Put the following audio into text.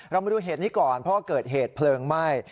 มาดูเหตุนี้ก่อนเพราะว่าเกิดเหตุเพลิงไหม้